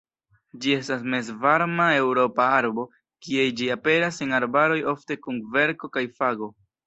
Ĝi estas Mezvarma-Eŭropa arbo, kie ĝi aperas en arbaroj ofte kun kverko kaj fago.